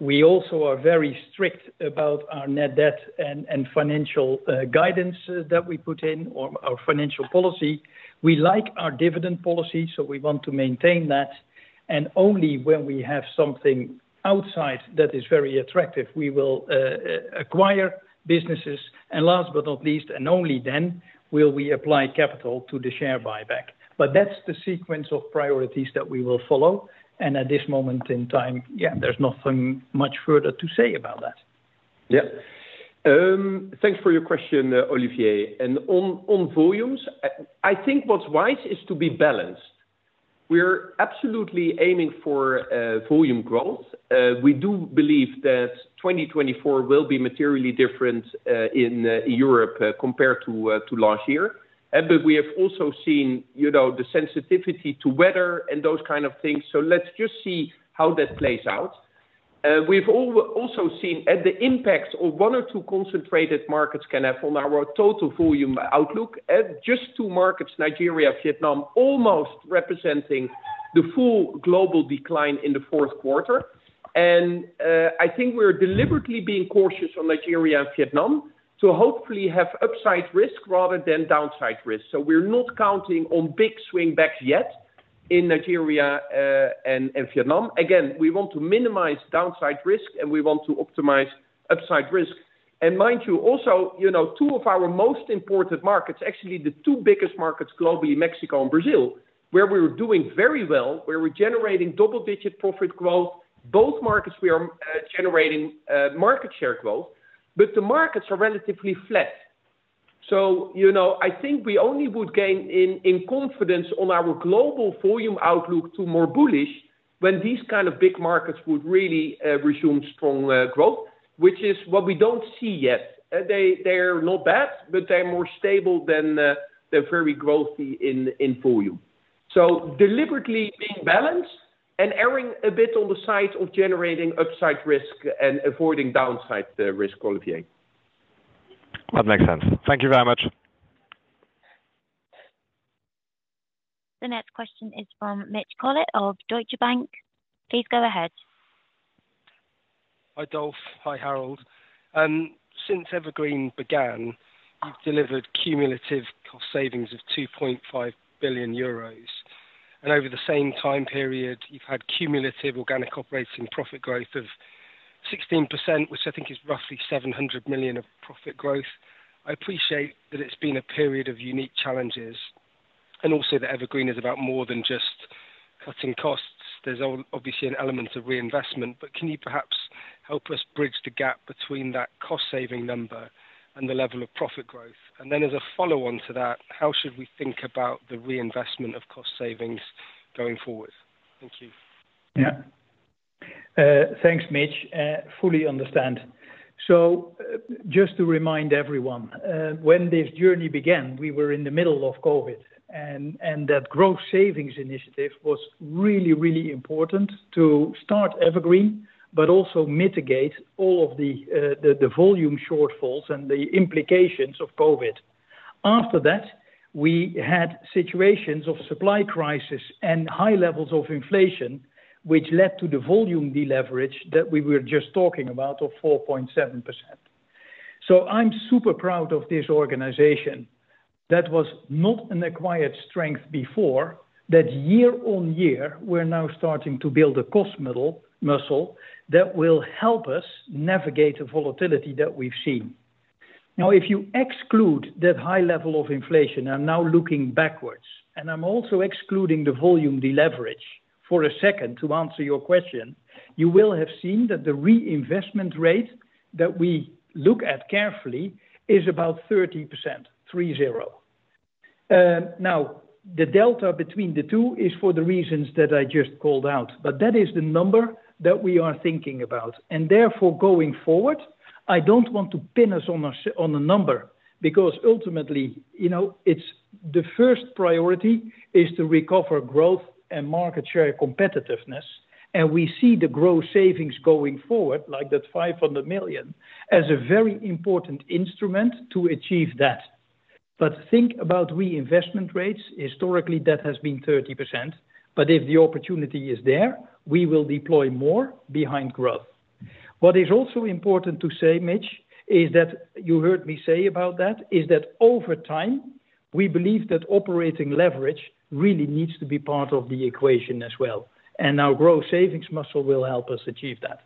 We also are very strict about our net debt and financial guidance that we put in or our financial policy. We like our dividend policy, so we want to maintain that. And only when we have something outside that is very attractive, we will acquire businesses. And last but not least, and only then, will we apply capital to the share buyback. But that's the sequence of priorities that we will follow. And at this moment in time, yeah, there's nothing much further to say about that. Yeah. Thanks for your question, Olivier. And on volumes, I think what's wise is to be balanced. We're absolutely aiming for volume growth. We do believe that 2024 will be materially different in Europe compared to last year. But we have also seen the sensitivity to weather and those kind of things. So let's just see how that plays out. We've also seen the impact of one or two concentrated markets can have on our total volume outlook. Just two markets, Nigeria and Vietnam, almost representing the full global decline in the fourth quarter. And I think we're deliberately being cautious on Nigeria and Vietnam to hopefully have upside risk rather than downside risk. So we're not counting on big swing backs yet in Nigeria and Vietnam. Again, we want to minimize downside risk, and we want to optimize upside risk. Mind you, also, two of our most important markets, actually the two biggest markets globally, Mexico and Brazil, where we were doing very well, where we're generating double-digit profit growth, both markets, we are generating market share growth. But the markets are relatively flat. So I think we only would gain in confidence on our global volume outlook to more bullish when these kind of big markets would really resume strong growth, which is what we don't see yet. They're not bad, but they're more stable than very growthy in volume. So deliberately being balanced and erring a bit on the side of generating upside risk and avoiding downside risk, Olivier. That makes sense. Thank you very much. The next question is from Mitch Collett of Deutsche Bank. Please go ahead. Hi, Dolf. Hi, Harold. Since EverGreen began, you've delivered cumulative cost savings of 2.5 billion euros. Over the same time period, you've had cumulative organic operating profit growth of 16%, which I think is roughly 700 million of profit growth. I appreciate that it's been a period of unique challenges and also that EverGreen is about more than just cutting costs. There's obviously an element of reinvestment. Can you perhaps help us bridge the gap between that cost-saving number and the level of profit growth? Then as a follow-on to that, how should we think about the reinvestment of cost savings going forward? Thank you. Yeah. Thanks, Mitch. Fully understand. So just to remind everyone, when this journey began, we were in the middle of COVID. And that gross savings initiative was really, really important to start Evergreen but also mitigate all of the volume shortfalls and the implications of COVID. After that, we had situations of supply crisis and high levels of inflation, which led to the volume deleverage that we were just talking about of 4.7%. So I'm super proud of this organization. That was not an acquired strength before. That year-on-year, we're now starting to build a cost muscle that will help us navigate the volatility that we've seen. Now, if you exclude that high level of inflation and now looking backwards, and I'm also excluding the volume deleverage for a second to answer your question, you will have seen that the reinvestment rate that we look at carefully is about 30%, 3-0. Now, the delta between the two is for the reasons that I just called out. But that is the number that we are thinking about. And therefore, going forward, I don't want to pin us on a number because ultimately, the first priority is to recover growth and market share competitiveness. And we see the gross savings going forward, like that 500 million, as a very important instrument to achieve that. But think about reinvestment rates. Historically, that has been 30%. But if the opportunity is there, we will deploy more behind growth. What is also important to say, Mitch, is that you heard me say about that, is that over time, we believe that operating leverage really needs to be part of the equation as well. And our gross savings muscle will help us achieve that.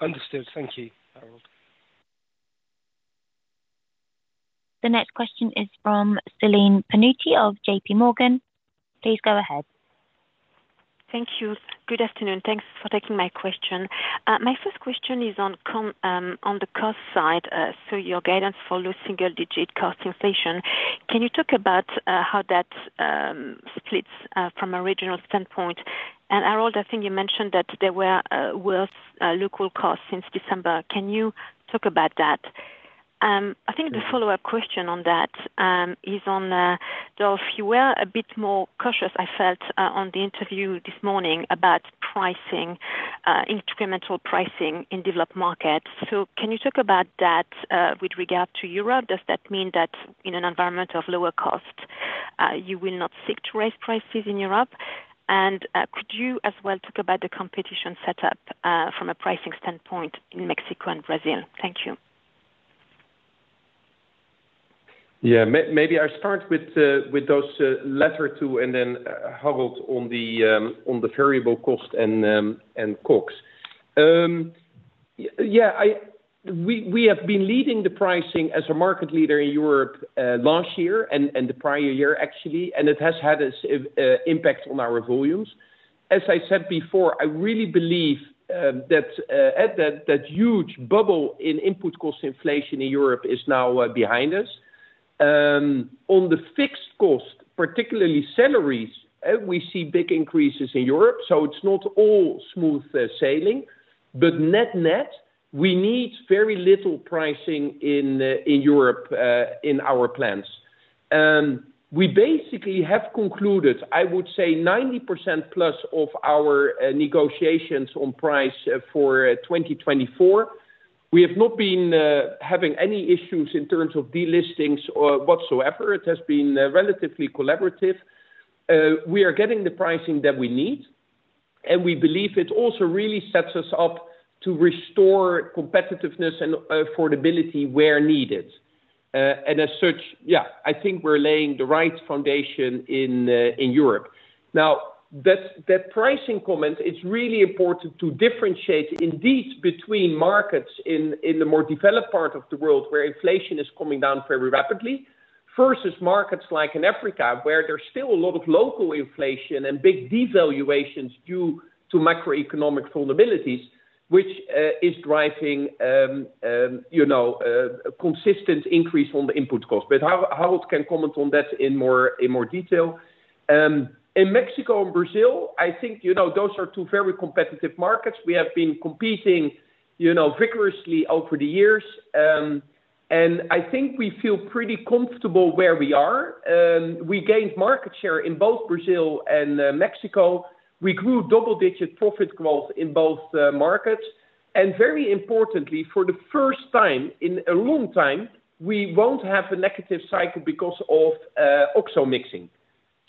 Understood. Thank you, Harold. The next question is from Celine Pannuti of JPMorgan. Please go ahead. Thank you. Good afternoon. Thanks for taking my question. My first question is on the cost side. Your guidance for low single-digit% cost inflation, can you talk about how that splits from a regional standpoint? And Harold, I think you mentioned that there were worse local costs since December. Can you talk about that? I think the follow-up question on that is on, Dolf, you were a bit more cautious, I felt, on the interview this morning about incremental pricing in developed markets. So can you talk about that with regard to Europe? Does that mean that in an environment of lower cost, you will not seek to raise prices in Europe? And could you as well talk about the competition setup from a pricing standpoint in Mexico and Brazil? Thank you. Yeah. Maybe I'll start with those last two, and then Harold on the variable cost and COGS. Yeah. We have been leading the pricing as a market leader in Europe last year and the prior year, actually. And it has had an impact on our volumes. As I said before, I really believe that that huge bubble in input cost inflation in Europe is now behind us. On the fixed cost, particularly salaries, we see big increases in Europe. So it's not all smooth sailing. But net-net, we need very little pricing in Europe in our plans. We basically have concluded, I would say, 90%+ of our negotiations on price for 2024. We have not been having any issues in terms of delistings whatsoever. It has been relatively collaborative. We are getting the pricing that we need. And we believe it also really sets us up to restore competitiveness and affordability where needed. And as such, yeah, I think we're laying the right foundation in Europe. Now, that pricing comment, it's really important to differentiate indeed between markets in the more developed part of the world where inflation is coming down very rapidly versus markets like in Africa where there's still a lot of local inflation and big devaluations due to macroeconomic vulnerabilities, which is driving a consistent increase on the input cost. But Harold can comment on that in more detail. In Mexico and Brazil, I think those are two very competitive markets. We have been competing vigorously over the years. And I think we feel pretty comfortable where we are. We gained market share in both Brazil and Mexico. We grew double-digit profit growth in both markets. Very importantly, for the first time in a long time, we won't have a negative cycle because of OXXO mixing.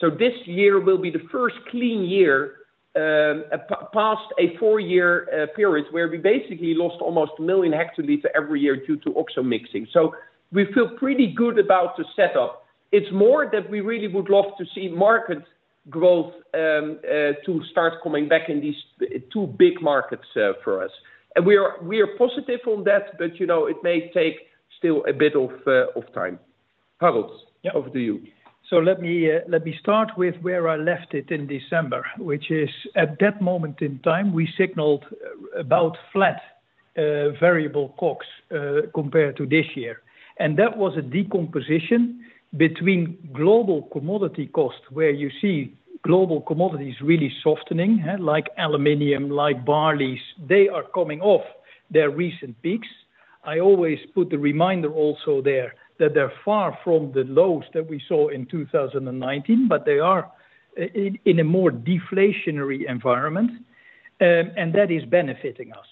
So this year will be the first clean year past a four-year period where we basically lost almost one million hectoliters every year due to OXXO mixing. So we feel pretty good about the setup. It's more that we really would love to see market growth to start coming back in these two big markets for us. And we are positive on that, but it may take still a bit of time. Harold, over to you. Yeah. So let me start with where I left it in December, which is at that moment in time, we signaled about flat variable COGS compared to this year. And that was a decomposition between global commodity costs, where you see global commodities really softening, like aluminum, like barley. They are coming off their recent peaks. I always put the reminder also there that they're far from the lows that we saw in 2019, but they are in a more deflationary environment. And that is benefiting us.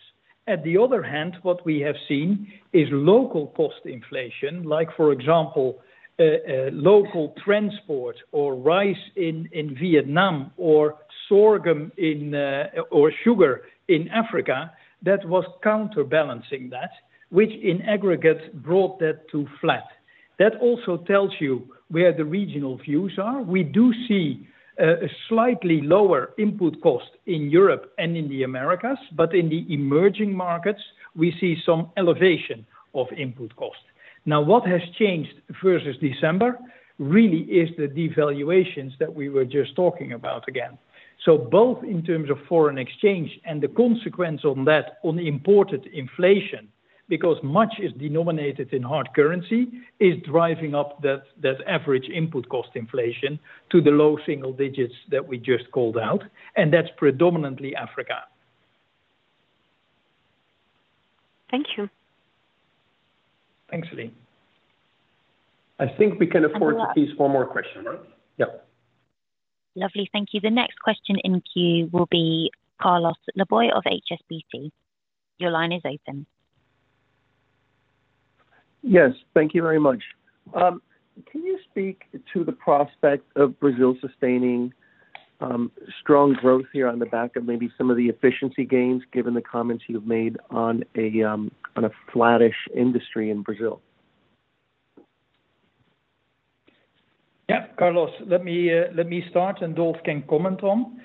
On the other hand, what we have seen is local cost inflation, like for example, local transport or rice in Vietnam or sugar in Africa, that was counterbalancing that, which in aggregate brought that to flat. That also tells you where the regional views are. We do see a slightly lower input cost in Europe and in the Americas. In the emerging markets, we see some elevation of input cost. Now, what has changed versus December really is the devaluations that we were just talking about again. Both in terms of foreign exchange and the consequence on that, on imported inflation, because much is denominated in hard currency, is driving up that average input cost inflation to the low single digits that we just called out. That's predominantly Africa. Thank you. Thanks, Celine. I think we can afford to tease one more question, right? Yeah. Lovely. Thank you. The next question in queue will be Carlos Laboy of HSBC. Your line is open. Yes. Thank you very much. Can you speak to the prospect of Brazil sustaining strong growth here on the back of maybe some of the efficiency gains given the comments you've made on a flat-ish industry in Brazil? Yeah, Carlos. Let me start, and Dolf can comment on.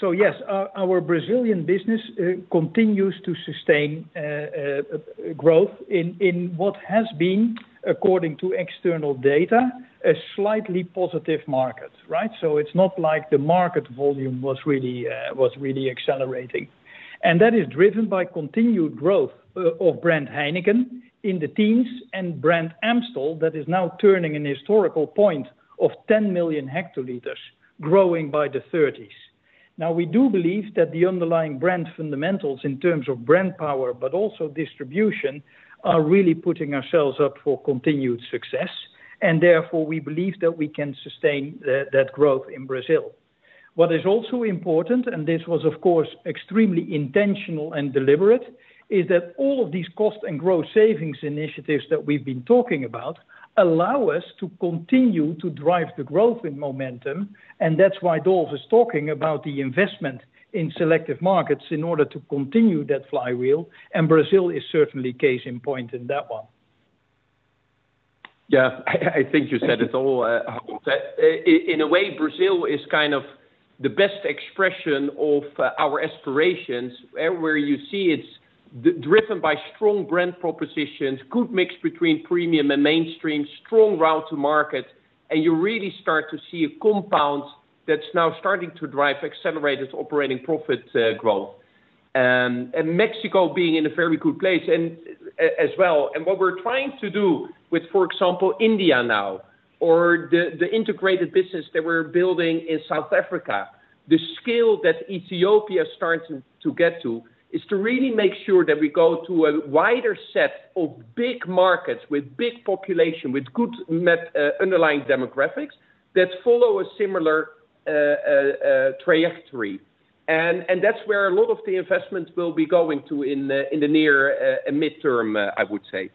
So yes, our Brazilian business continues to sustain growth in what has been, according to external data, a slightly positive market, right? So it's not like the market volume was really accelerating. And that is driven by continued growth of brand Heineken in the teens and brand Amstel that is now turning a historical point of 10 million hectoliters, growing by the 30s. Now, we do believe that the underlying brand fundamentals in terms of brand power but also distribution are really putting ourselves up for continued success. And therefore, we believe that we can sustain that growth in Brazil. What is also important, and this was, of course, extremely intentional and deliberate, is that all of these cost and gross savings initiatives that we've been talking about allow us to continue to drive the growth in momentum. That's why Dolf is talking about the investment in selective markets in order to continue that flywheel. Brazil is certainly case in point in that one. Yeah. I think you said it all. In a way, Brazil is kind of the best expression of our aspirations. Where you see it's driven by strong brand propositions, good mix between premium and mainstream, strong route to market, and you really start to see a compound that's now starting to drive accelerated operating profit growth. And Mexico being in a very good place as well. And what we're trying to do with, for example, India now or the integrated business that we're building in South Africa, the scale that Ethiopia is starting to get to is to really make sure that we go to a wider set of big markets with big population, with good underlying demographics that follow a similar trajectory. And that's where a lot of the investment will be going to in the near and mid-term, I would say.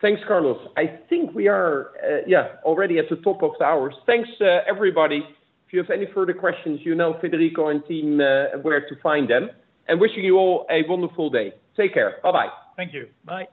Thanks, Carlos. I think we are, yeah, already at the top of the hour. Thanks, everybody. If you have any further questions, you know where to find Federico and the team. Wishing you all a wonderful day. Take care. Bye-bye. Thank you. Bye.